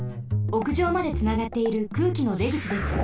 おくじょうまでつながっている空気のでぐちです。